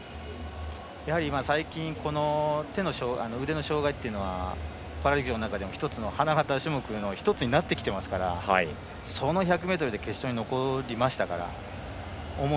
最近、腕の障がいというのはパラ陸上の中でも花形種目の１つになってきていますからその１００ｍで決勝に残りましたから思う